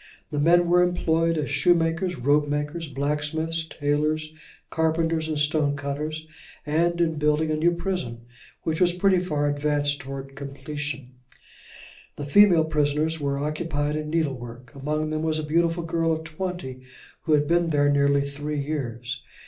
The men were employed as shoemakers, ropemakers, blacksmiths, tailors, carpenters, and stonecutters; and in building a new prison, which was pretty far advanced towards completion. The female prisoners were occupied in needlework. Among them was a beautiful girl of twenty, who had been there nearly three years.